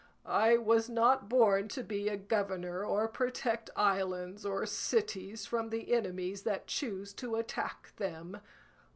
I was not born to be a governor or protect islands or cities from the enemies that choose to attack them.